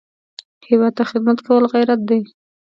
هېواد ته خدمت کول غیرت دی